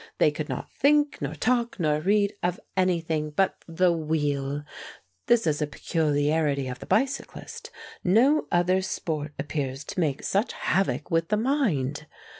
They could not think nor talk nor read of anything but the wheel. This is a peculiarity of the bicyclist. No other sport appears to make such havoc with the mind.